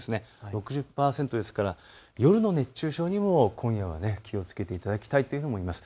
６０％ですから夜の熱中症にも今夜は気をつけていただきたいと思います。